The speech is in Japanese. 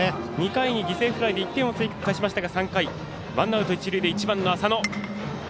２回に犠牲フライで１回を返しましたがワンアウト、一塁で１番の浅野。